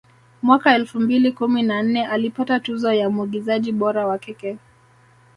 Mwaka elfu mbili kumi na nne alipata tuzo ya mwigizaji bora wa kike